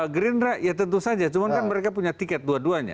green right ya tentu saja cuman kan mereka punya tiket dua duanya